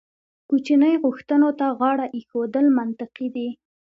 کوچنۍ غوښتنو ته غاړه ایښودل منطقي دي.